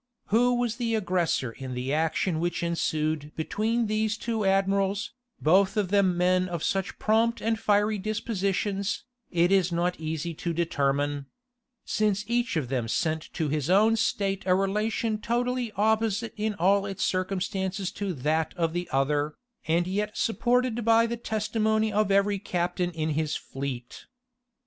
Who was the aggressor in the action which ensued between these two admirals, both of them men of such prompt and fiery dispositions, it is not easy to determine; since each of them sent to his own state a relation totally opposite in all its circumstances to that of the other, and yet supported by the testimony of every captain in his fleet.